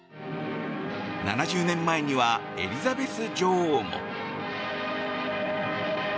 ７０年前にはエリザベス女王も。